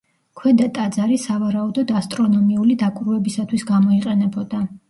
ქვედა ტაძარი სავარაუდოდ ასტრონომიული დაკვირვებებისათვის გამოიყენებოდა.